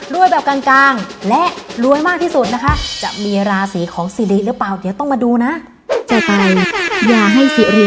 แบบกลางและรวยมากที่สุดนะคะจะมีราศีของสิริหรือเปล่าเดี๋ยวต้องมาดูนะ